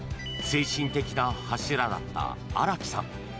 精神的な柱だった荒木さん